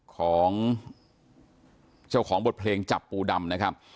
ของเจ้าของบทเพลงจับปูดำนะครับ